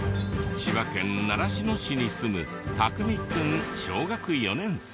千葉県習志野市に住む匠くん小学４年生。